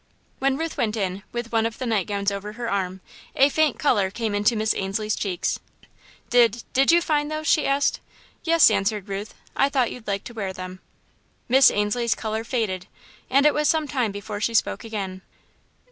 When Ruth went in, with one of the night gowns over her arm, a faint colour came into Miss Ainslie's cheeks. "Did did you find those?" she asked. "Yes," answered Ruth, "I thought you'd like to wear them." Miss Ainslie's colour faded and it was some time before she spoke again.